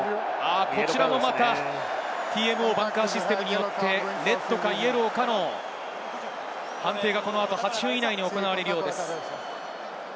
こちらもまたＴＭＯバンカーシステムになってレッドかイエローかの判定が、この後８分以内に行われるようです。